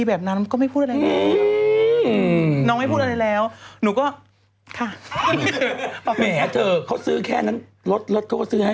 มันคือความรักความเข้าใจ